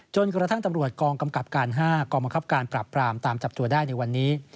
จนกระทั่งตำรวจกองกำกับการ๕กองบังคับการปราบปรามตามจับตัวได้ในวันนี้